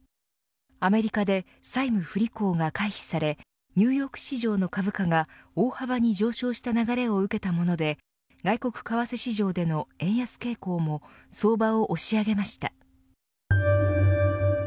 アメリカで債務不履行が回避されニューヨーク市場の株価が大幅に上昇した流れを受けたもので外国為替市場での円安傾向も相場を押し上げました。